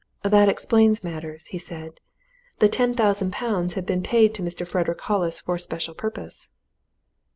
"That explains matters," he said. "The ten thousand pounds had been paid to Mr. Frederick Hollis for a special purpose."